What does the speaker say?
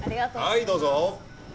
はいどうぞ。